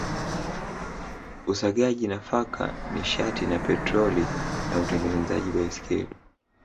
Usagaji nafaka nishati na petroli na utengenezaji baiskeli